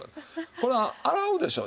これ洗うでしょう。